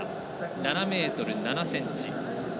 ７ｍ７ｃｍ。